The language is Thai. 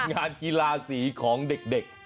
งานกีฬาสีของเด็ก